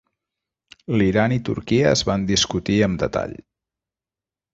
L'Iran i Turquia es van discutir amb detall.